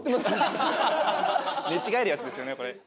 寝違えるやつですよねこれ。